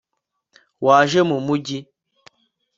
waje mu mujyi